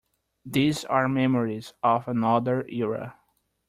These are memories of another era.